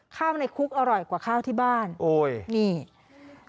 ข้าวในคุกอร่อยกว่าข้าวที่บ้านโอ้ยนี่